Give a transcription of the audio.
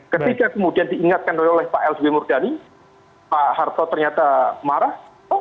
ketika kemudian diingatkan oleh pak lb murdani pak harto ternyata marah